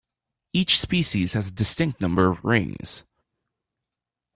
Each species has a distinct number of rings.